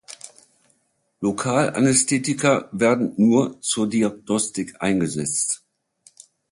Lokalanästhetika werden nur zur Diagnostik eingesetzt.